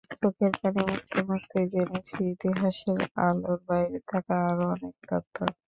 চোখের পানি মুছতে মুছতে জেনেছি ইতিহাসের আলোর বাইরে থাকা আরও অনেক তথ্য।